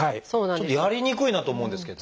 ちょっとやりにくいなと思うんですけど。